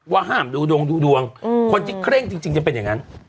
ว่าห้ามดูดวงดูดวงคนที่เคร่งจริงจะเป็นอย่างนั้น